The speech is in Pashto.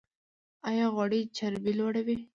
ایا غوړي چربي لوړوي؟